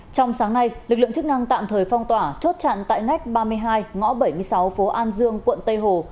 trong sáng nay lực lượng chức năng tạm thời phong tỏa chốt chặn tại ngách ba mươi hai ngõ bảy mươi sáu phố an dương quận tây hồ